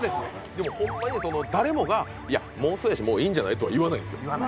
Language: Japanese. でもホンマにその誰もが「いや妄想やしもういいんじゃない？」とは言わないんですよ。